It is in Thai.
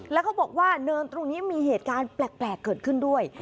แล้วเขาบอกว่าเนินตรงนี้มีเหตุการณ์แปลกเกิดขึ้นด้วย